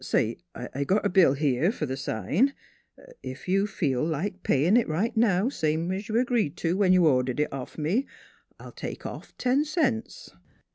... Say, I got a bill here f'r th' sign ; if you feel like payin' it right now, same's you 'greed t' do when you ordered it off me, I'll take off ten cents."